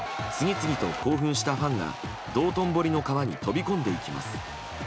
そして、次々と興奮したファンが道頓堀の川に飛び込んでいきます。